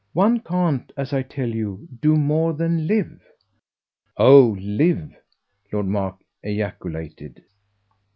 One can't, as I tell you, do more than live." "Oh live!" Lord Mark ejaculated.